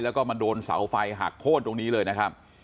แล้วก็มาโดนเสาไฟหักโค้นตรงนี้เลยนะครับ